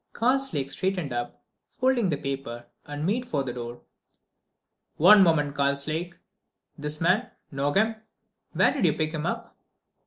Karslake straightened up, folding the paper, and made for the door. "One moment, Karslake.... This man, Nogam: where did you pick him up?"